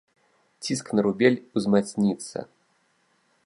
Ціск на рубель узмацніцца.